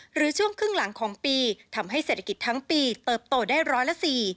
หรือช่วงครึ่งหลังของปีทำให้เศรษฐกิจทั้งปีเติบโตได้ร้อยละสี่